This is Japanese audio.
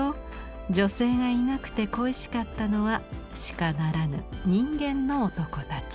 女性がいなくて恋しかったのは鹿ならぬ人間の男たち。